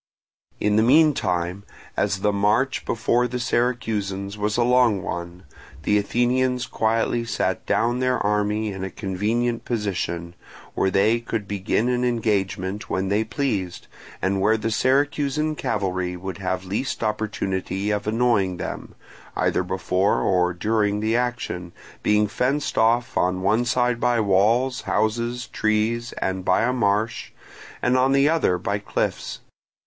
In the meantime, as the march before the Syracusans was a long one, the Athenians quietly sat down their army in a convenient position, where they could begin an engagement when they pleased, and where the Syracusan cavalry would have least opportunity of annoying them, either before or during the action, being fenced off on one side by walls, houses, trees, and by a marsh, and on the other by cliffs.